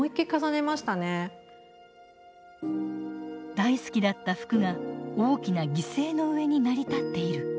大好きだった服が大きな犠牲の上に成り立っている。